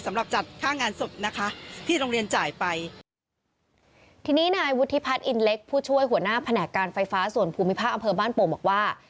สำหรับจัดค่างานศพนะคะที่โรงเรียนจ่ายไปทีนี้นายวุฒิพัฒน์อินเล็กผู้ช่วยหัวหน้าแผนกการไฟฟ้าส่วนภูมิภาคอำเภอบ้านโป่งบอกว่า